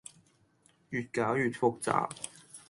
越攪越複雜